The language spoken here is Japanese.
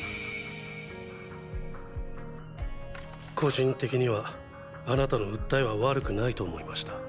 個人的にはあなたの訴えは悪くないと思いました。